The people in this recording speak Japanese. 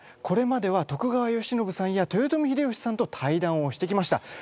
これまでは徳川慶喜さんや豊臣秀吉さんと対談をしてきました。